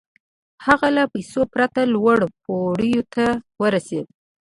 هغه له پيسو پرته لوړو پوړيو ته ورسېد.